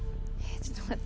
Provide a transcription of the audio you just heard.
ちょっと待って。